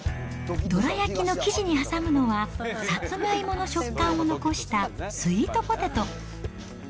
どら焼きの生地に挟むのは、さつまいもの食感を残したスイートポテト。